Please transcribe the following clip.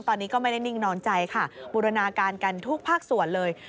ตอนนี้ก็ไม่ได้นิ่งนอนใจค่ะบูรณาการกันทุกภาคส่วนเลย